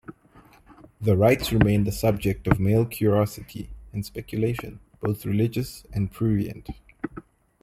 The rites remained a subject of male curiosity and speculation, both religious and prurient.